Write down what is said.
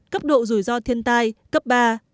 cấp độ rủi ro thiên tai cấp ba